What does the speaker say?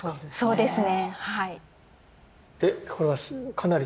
そうです。